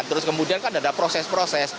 terus kemudian kan ada proses proses